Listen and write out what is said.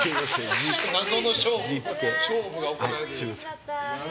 謎の勝負が行われてる。